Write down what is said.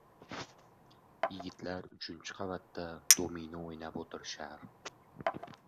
Yigitlar uchinchi qavatda domino o‘ynab o‘tirishar.